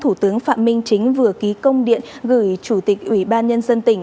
thủ tướng phạm minh chính vừa ký công điện gửi chủ tịch ủy ban nhân dân tỉnh